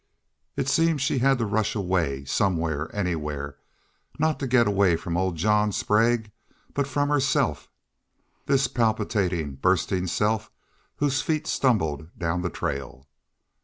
It seemed she had to rush away somewhere, anywhere not to get away from old John Sprague, but from herself this palpitating, bursting self whose feet stumbled down the trail.